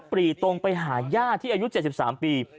รีตรงไปหาย่าที่อายุ๗๓ปี